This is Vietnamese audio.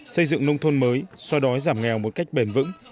xây dựng nông thôn mới xoa đói giảm nghèo một cách bền vững